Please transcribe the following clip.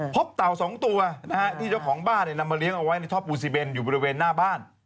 เต่าสองตัวนะฮะที่เจ้าของบ้านนำมาเลี้ยงเอาไว้ในท่อปูนซีเบนอยู่บริเวณหน้าบ้าน